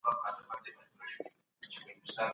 هغه د تمدنونو د عروج لاملونه وښودل.